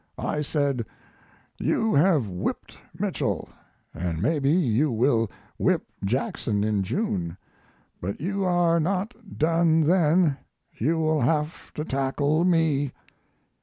I said: "You have whipped Mitchell & maybe you will whip Jackson in June but you are not done then. You will have to tackle me."